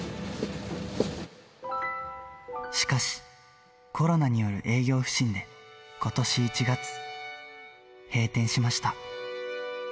しかし、コロナによる営業不振で、ことし１月、閉店しました。